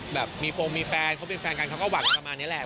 แบบมีโปรงมีแฟนเขาเป็นแฟนกันเขาก็หวังอะไรประมาณนี้แหละ